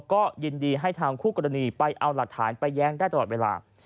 ก็ยินดีให้ทางคู่กรณีไปเอาหลักฐานไปแย้งได้ตลอดเวลา